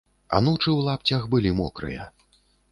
Анучы ў лапцях былі мокрыя.